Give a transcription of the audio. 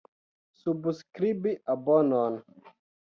Subskribi abonon.